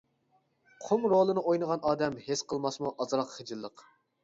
قۇم رولىنى ئوينىغان ئادەم، ھېس قىلماسمۇ ئازراق خىجىللىق.